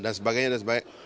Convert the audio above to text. dan sebagainya dan sebagainya